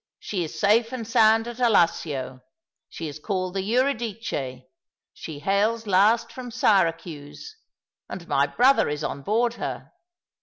She is safe and sound at Allassio. She is called the Eurydice^ she hails last from Syracuse, and my brother is on board her.